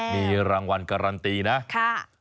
มีรางวัลการันตีนะ